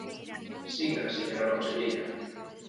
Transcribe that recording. Siga, señora conselleira.